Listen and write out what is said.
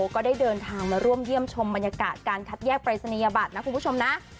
ก็ได้เดินทางมาร่วมเยี่ยมชมบรรยากาศการคัดแยกปรายศนียบัตรนะคุณผู้ชมนะ